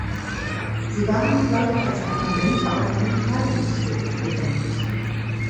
Sie waren vielleicht als Ornamente auf einem Kleidungsstück genäht.